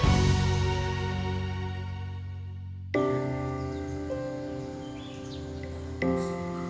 imihalku turbilu apes kayu dipisahkan penemuan mereka